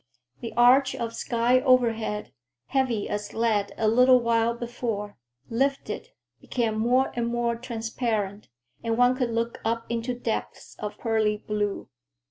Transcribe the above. The arch of sky overhead, heavy as lead a little while before, lifted, became more and more transparent, and one could look up into depths of pearly blue.